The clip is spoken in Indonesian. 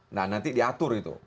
nah nanti diatur itu